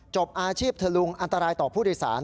จบอาชีพทะลุงอันตรายต่อผู้โดยสาร